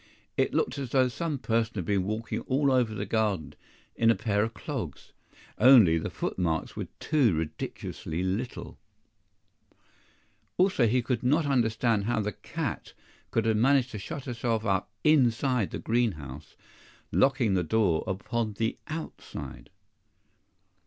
It looked as though some person had been walking all over the garden in a pair of clogs only the foot marks were too ridiculously little! Also he could not understand how the cat could have managed to shut herself up INSIDE the green house, locking the door upon the OUTSIDE.